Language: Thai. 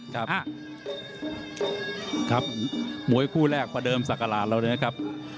ครับมวยคู่แรกประเดิมสักอาหารเราเลยนะครับ